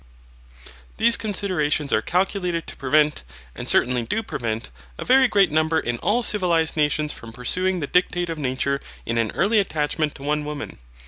These considerations are calculated to prevent, and certainly do prevent, a very great number in all civilized nations from pursuing the dictate of nature in an early attachment to one woman.